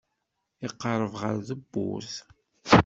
Iqerreb ɣer tewwurt.